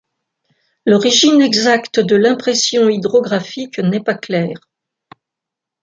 L'origine exacte de l'impression hydrographique n'est pas claire.